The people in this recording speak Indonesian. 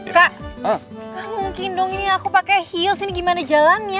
kamu ngungking dong ini aku pake heels ini gimana jalannya